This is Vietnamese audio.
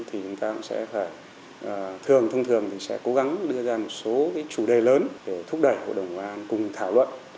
thì chúng ta cũng sẽ phải thường thông thường thì sẽ cố gắng đưa ra một số chủ đề lớn để thúc đẩy hội đồng bảo an cùng thảo luận